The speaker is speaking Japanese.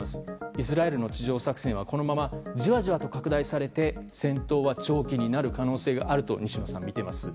イスラエルの地上作戦はこのままじわじわと拡大されて戦闘は長期になる可能性があると西野さんは見ています。